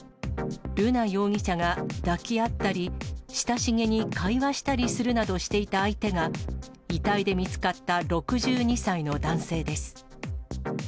瑠奈容疑者が抱き合ったり、親しげに会話したりするなどしていた相手が、遺体で見つかった６２歳の男性です。